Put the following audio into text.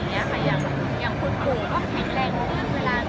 มีโครงการทุกทีใช่ไหม